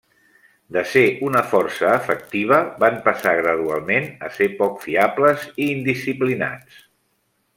De ser una força efectiva, van passar gradualment a ser poc fiables i indisciplinats.